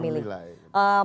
ya publik yang akan menilai